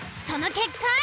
その結果。